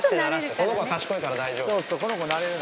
この子は賢いから大丈夫。